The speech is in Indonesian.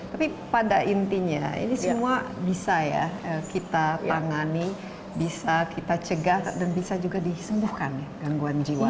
tapi pada intinya ini semua bisa ya kita tangani bisa kita cegah dan bisa juga disembuhkan ya gangguan jiwa